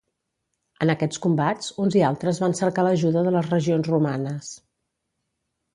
En aquests combats, uns i altres van cercar l'ajuda de les regions romanes.